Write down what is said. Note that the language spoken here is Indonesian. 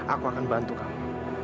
aku akan membantu kamu